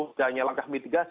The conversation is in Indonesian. sejajarnya langkah mitigasi